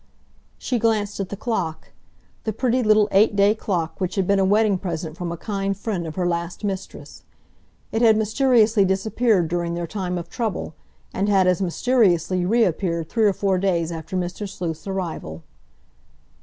She glanced at the clock, the pretty little eight day clock which had been a wedding present from a kind friend of her last mistress. It had mysteriously disappeared during their time of trouble, and had as mysteriously reappeared three or four days after Mr. Sleuth's arrival.